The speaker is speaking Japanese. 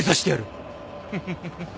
フフフ。